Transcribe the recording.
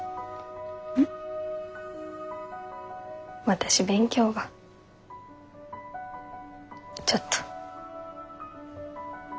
私勉強がちょっと。